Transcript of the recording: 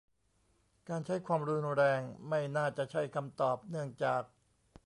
การใช้ความรุนแรงไม่น่าจะใช่คำตอบ เนื่องจาก